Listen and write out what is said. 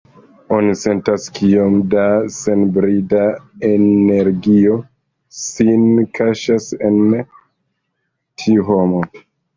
Oni sentas kiom da senbrida energio sin kaŝas en tiu homo.